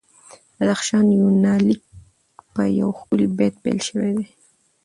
د بدخشان یونلیک په یو ښکلي بیت پیل شوی دی.